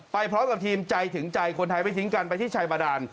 พร้อมกับทีมใจถึงใจคนไทยไม่ทิ้งกันไปที่ชัยบาดาน